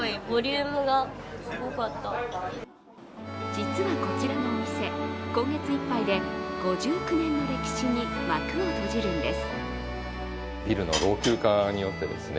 実は、こちらのお店、今月いっぱいで５９年の歴史に幕を閉じるんです。